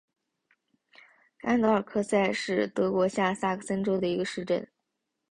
甘德尔克塞是德国下萨克森州的一个市镇。